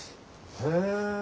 へえ。